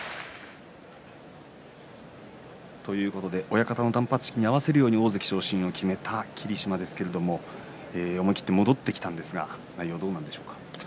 親方の断髪式に合わせるように大関昇進を決めた霧島ですけれども思い切って戻ってきたんですが内容どうでしょうか。